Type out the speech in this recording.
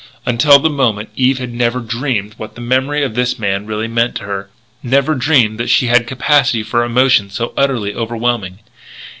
Until the moment, Eve had never dreamed what the memory of this man really meant to her, never dreamed that she had capacity for emotion so utterly overwhelming.